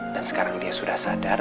dan sekarang dia sudah sadar